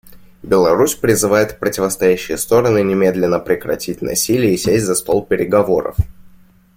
Беларусь призывает противостоящие стороны немедленно прекратить насилие и сесть за стол переговоров.